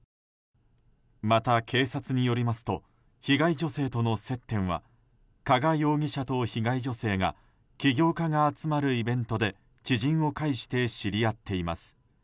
また、警察によりますと被害女性との接点は加賀容疑者と被害女性が起業家が集まるイベントで知人を介して知り合っています。